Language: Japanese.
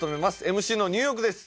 ＭＣのニューヨークです